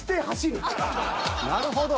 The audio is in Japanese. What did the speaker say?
なるほど。